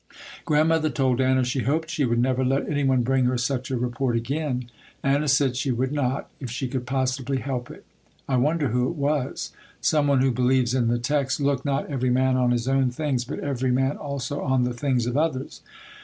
Grandmother told Anna she hoped she would never let any one bring her such a report again. Anna said she would not, if she could possibly help it! I wonder who it was. Some one who believes in the text, "Look not every man on his own things, but every man also on the things of others."